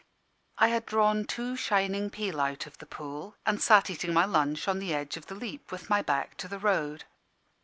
I had drawn two shining peel out of the pool, and sat eating my lunch on the edge of the Leap, with my back to the road.